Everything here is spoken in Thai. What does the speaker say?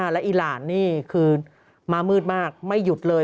และอีหลานนี่คือมามืดมากไม่หยุดเลย